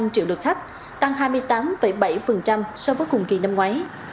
tăng hai mươi tám bảy so với cùng kỳ năm ngoái